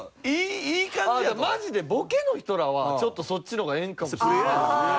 マジでボケの人らはちょっとそっちの方がええんかもしれないですね。